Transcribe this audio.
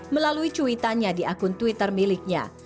melalui cuitannya di akun twitter miliknya